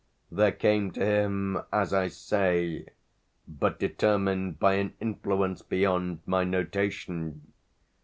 There came to him, as I say but determined by an influence beyond my notation!